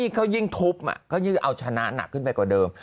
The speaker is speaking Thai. เขายิ่งเอาชนะหนักขึ้นไปกว่าเดิม